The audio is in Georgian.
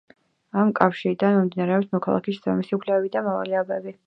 ამ კავშირიდან მომდინარეობს მოქალაქის შესაბამისი უფლებები და მოვალეობები.